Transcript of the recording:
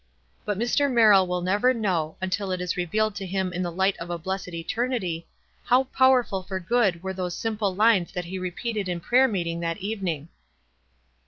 But Mr. Merrill wiii never know, until it is revealed to him in the light of a blessed eter nity, how powerful for good were those simple lines that he repeated in prayer meeting that evening.